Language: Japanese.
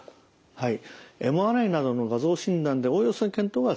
はい。